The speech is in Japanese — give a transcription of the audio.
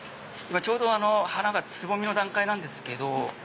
ちょうど花がつぼみの段階なんですけど。